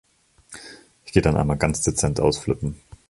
Ich gehe dann einmal ganz dezent Ausflippen.